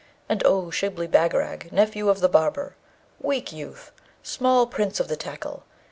And O Shibli Bagarag! nephew of the barber! weak youth! small prince of the tackle!